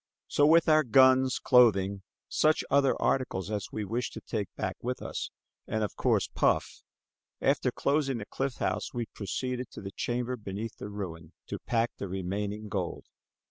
So, with our guns, clothing, such other articles as we wished to take back with us, and of course, Puff, after closing the cliff house we proceeded to the chamber beneath the ruin to pack the remaining gold.